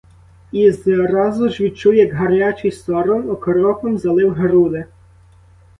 І зразу ж відчув, як гарячий сором окропом залив груди.